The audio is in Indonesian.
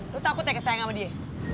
lu takut ya kesayang sama dia